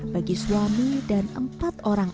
bagi suami dan empat orang